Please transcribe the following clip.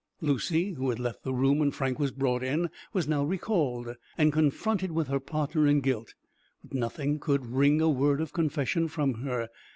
Lucy, who had left the room when Frank was brought in, was now recalled, and confronted with her partner in guilt, but nothing could wring a word of confession from her.